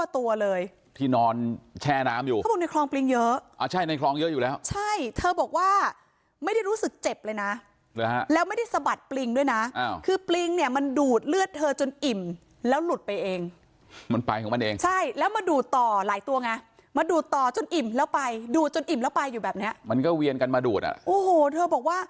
ตัวเลยที่นอนแช่น้ำอยู่เขาบอกในคลองปริงเยอะอ่าใช่ในคลองเยอะอยู่แล้วใช่เธอบอกว่าไม่ได้รู้สึกเจ็บเลยนะแล้วไม่ได้สะบัดปริงด้วยนะคือปริงเนี่ยมันดูดเลือดเธอจนอิ่มแล้วหลุดไปเองมันไปของมันเองใช่แล้วมาดูดต่อหลายตัวไงมาดูดต่อจนอิ่มแล้วไปดูดจนอิ่มแล้วไปอยู่แบบเนี้ยมันก็เวียนกันมาดูดอ่ะโอ้โหเธอบอกว่า